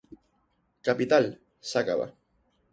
Capital: Sacaba.